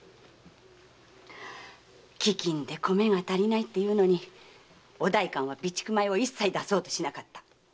飢饉で米が足りないっていうのにお代官は備蓄米を一切出そうとしなかった。